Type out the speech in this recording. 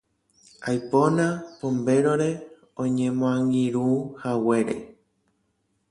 Aipóna Pombérore oñemoangirũhaguére.